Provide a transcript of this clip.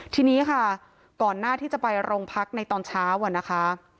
ทีนี้ค่ะก่อนหน้าที่จะไปโรงพักในตอนเช้าอะนะคะ